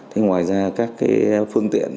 thế ngoài ra các phương tiện